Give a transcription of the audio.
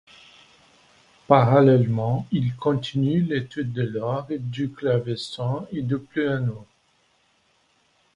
Parallèlement, il continue l'étude de l'orgue, du clavecin et du piano.